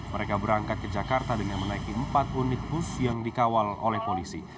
mereka berangkat ke jakarta dengan menaiki empat unit bus yang dikawal oleh polisi